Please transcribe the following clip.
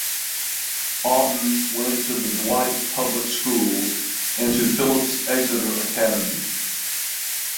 Oughton went to the Dwight public schools and to Phillips Exeter Academy.